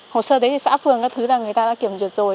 hồ sơ đấy thì xã phường các thứ là người ta đã kiểm duyệt rồi